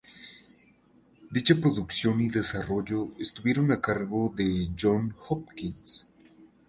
Dicha producción y desarrollo estuvieron a cargo de Jon Hopkins.